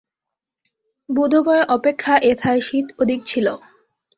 বোধগয়া অপেক্ষা এথায় শীত অধিক ছিল।